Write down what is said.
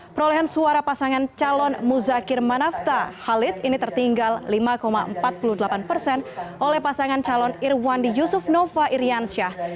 perolehan suara pasangan calon muzakir manafta halid ini tertinggal lima empat puluh delapan persen oleh pasangan calon irwandi yusuf nova iriansyah